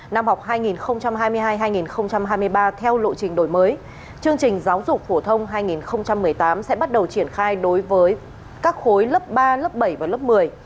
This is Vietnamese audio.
năm học hai nghìn hai mươi hai hai nghìn hai mươi ba theo lộ trình đổi mới chương trình giáo dục phổ thông hai nghìn một mươi tám sẽ bắt đầu triển khai đối với các khối lớp ba lớp bảy và lớp một mươi